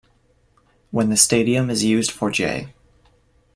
When the stadium is used for J.